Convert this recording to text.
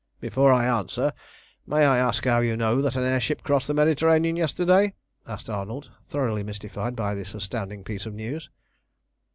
"Before I answer, may I ask how you know that an air ship crossed the Mediterranean yesterday?" asked Arnold, thoroughly mystified by this astounding piece of news.